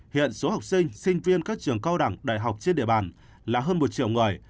hiện số học sinh sinh viên các trường cao đẳng đại học trên địa bàn là hơn một triệu người